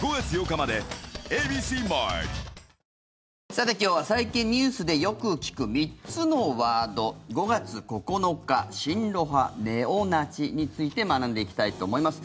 さて、今日は最近、ニュースでよく聞く３つのワード５月９日、親ロ派ネオナチについて学んでいきたいと思います。